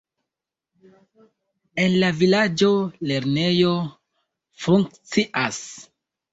En la vilaĝo lernejo funkcias.